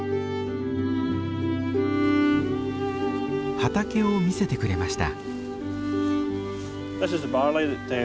畑を見せてくれました。